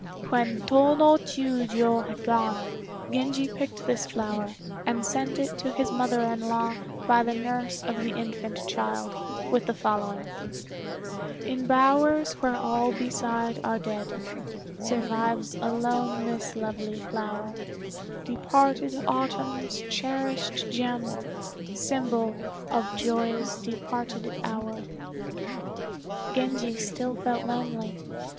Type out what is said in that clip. When Tô no Chiûjiô had gone, Genji picked this flower, and sent it to his mother in law by the nurse of the infant child, with the following: "In bowers where all beside are dead Survives alone this lovely flower, Departed autumn's cherished gem, Symbol of joy's departed hour." Genji still felt lonely.